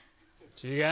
違う。